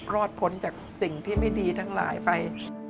รอดพ้นจากสิ่งที่ไม่ดีทั้งหลายไป